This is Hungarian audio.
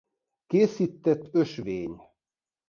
Készített ösvény.